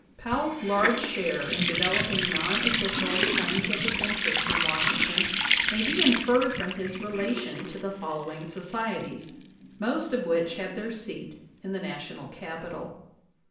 Powell's large share in developing non official scientific in terests in Washington may be inferred from his relation to the following societies, most of which have their seat in the Na tional Capital.